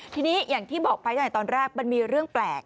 ทีนี้อย่างที่บอกไปตั้งแต่ตอนแรกมันมีเรื่องแปลก